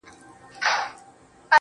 د سپېڅلو او مذهبي ځايونو خيال به يې ساته